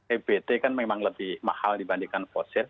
ebt kan memang lebih mahal dibandingkan fosil